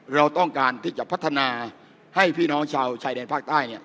เราต้องการที่จะพัฒนาให้พี่น้องชาวชายแดนภาคใต้